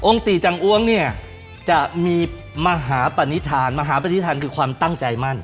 ตีจังอ้วงเนี่ยจะมีมหาปณิธานมหาปฏิฐานคือความตั้งใจมั่น